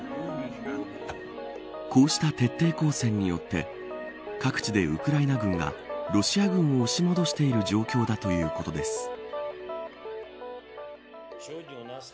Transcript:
こうした徹底抗戦によって各地でウクライナ軍がロシア軍を押し戻している状況だということです。